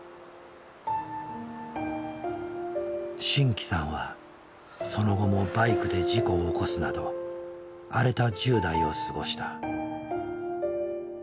真気さんはその後もバイクで事故を起こすなど荒れた１０代を過ごした。